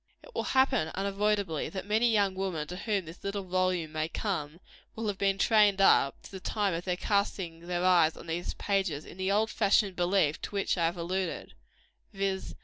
It will happen, unavoidably, that many young women to whom this little volume may come, will have been trained up, to the time of casting their eyes on these pages, in the old fashioned belief to which I have alluded viz.